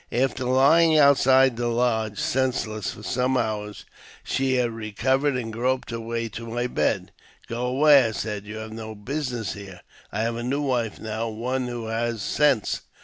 After lying outside the lodge senseless for some hours, she had recovered and groped her v^^ay to my bed. " Go away," I said, " you have no business here; I have a nev7 wife now, one who has sense."